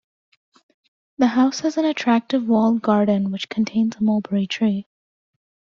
The House has an attractive walled garden which contains a mulberry tree.